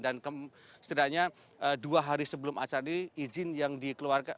dan setidaknya dua hari sebelum acara ini ijin yang dikeluarkan